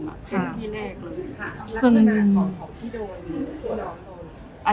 เธอเป็นที่แรกเลยครับรักษณะของที่โดน